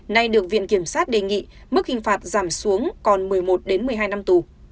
nay được viện kiểm sát đề nghị mức hình phạt giảm xuống còn một mươi một một mươi hai năm tù